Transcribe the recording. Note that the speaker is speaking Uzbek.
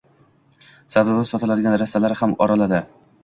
Sabzavot sotiladigan rastalarni ham oraladi